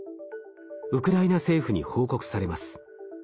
ウクライナ政府に報告されます。